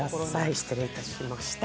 失礼いたしました。